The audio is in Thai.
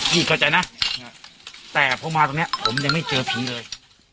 เข้าใจนะแต่พอมาตรงนี้ผมยังไม่เจอผีเลย